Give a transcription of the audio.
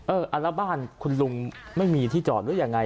เอออันละบ้านคุณลุงไม่มีที่จอดหรืออย่างไร